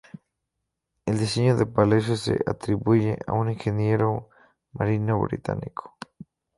El diseño del palacio se atribuye a un ingeniero marino británico.